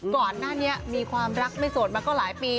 ก่อนหน้านี้มีความรักไม่โสดมาก็หลายปี